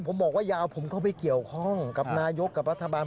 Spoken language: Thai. ผมบอกว่าอย่าเอาผมเข้าไปเกี่ยวข้องกับนายกกับรัฐบาล